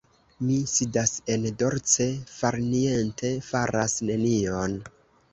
Mi sidas en dolce farniente, faras nenion.